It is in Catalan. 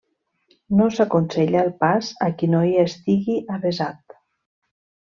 No s'aconsella el pas a qui no hi estigui avesat.